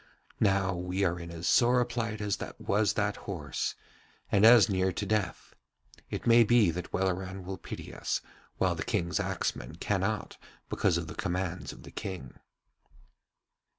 Now we are in as sore a plight as was that horse, and as near to death; it may be that Welleran will pity us, while the King's axeman cannot because of the commands of the King.'